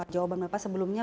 jawaban bapak sebelumnya